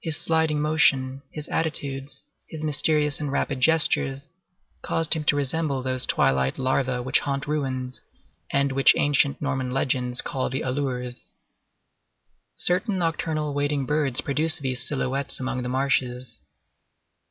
His sliding motion, his attitudes, his mysterious and rapid gestures, caused him to resemble those twilight larvæ which haunt ruins, and which ancient Norman legends call the Alleurs. Certain nocturnal wading birds produce these silhouettes among the marshes.